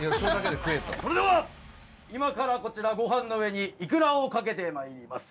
それでは今からこちらごはんの上にいくらをかけてまいります。